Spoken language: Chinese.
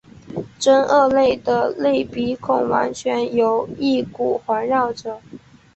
真鳄类的内鼻孔完全由翼骨环绕者。